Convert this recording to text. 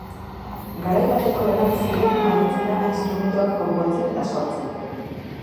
Garai bateko lanabesekin aritzen da instrumentuak konpontzen eta sortzen.